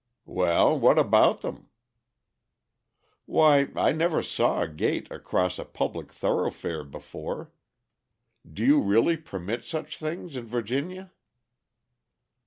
"Well, what about them?" "Why, I never saw a gate across a public thoroughfare before. Do you really permit such things in Virginia?"